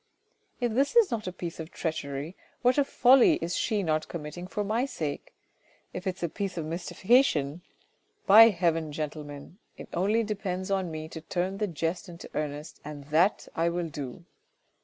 " If this is not a piece of treachery, what a folly is she not committing for my sake. If it's a piece of mystification, by heaven, gentlemen, it only depends on me to turn the jest into earnest and that I will do.